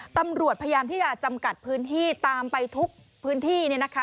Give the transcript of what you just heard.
ตำรวจพยายามที่จะจำกัดพื้นที่ตามไปทุกพื้นที่